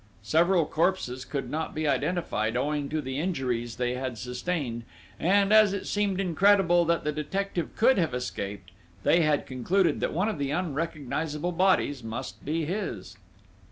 Several corpses could not be identified owing to the injuries they had sustained; and, as it seemed incredible that the detective could have escaped, they had concluded that one of the unrecognisable bodies must be his.